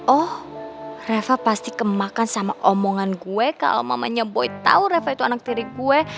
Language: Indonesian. oh reva pasti kemakan sama omongan gue kalau mamanya boy tahu reva itu anak tirik gue